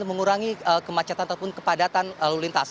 mengurangi kemacetan ataupun kepadatan lalu lintas